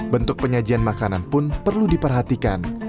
bentuk penyajian makanan pun perlu diperhatikan